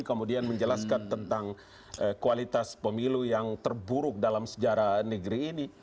kemudian menjelaskan tentang kualitas pemilu yang terburuk dalam sejarah negeri ini